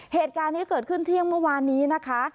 เหตุการณ์นี้เกิดขึ้นเที่ยงเมื่อวานนี้นะคะ